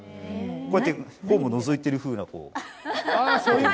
こうやってホームをのぞいているふうな。